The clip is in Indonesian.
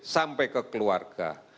sampai ke keluarga